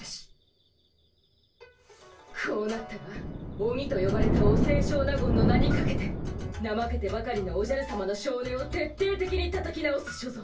こうなったらオニとよばれたお清少納言の名にかけてなまけてばかりのおじゃるさまのしょうねをてっていてきにたたき直す所存。